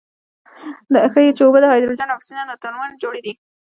دا ښيي چې اوبه د هایدروجن او اکسیجن له اتومونو جوړې دي.